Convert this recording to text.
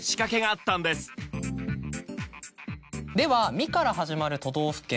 「み」から始まる都道府県